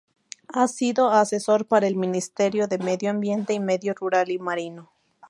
Ha sido asesor para el Ministerio de Medio Ambiente y Medio Rural y Marino.